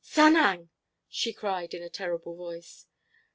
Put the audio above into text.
"Sanang!" she cried in a terrible voice.